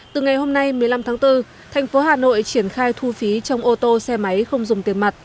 từ ngày hôm nay một mươi năm tháng bốn thành phố hà nội triển khai thu phí trong ô tô xe máy không dùng tiền mặt